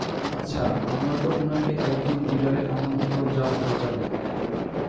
আচ্ছা আমরা তো উনাকে একদিন ডিনারে আমন্ত্রণ জানাতে পারি।